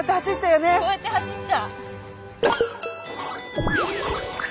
こうやって走った。